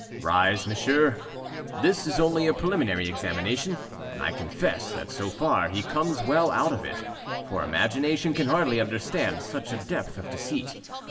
"Rise, monsieur. This is only a preliminary examination, and I confess that, so far, he comes well out of it, for imagination can hardly understand such a depth of deceit.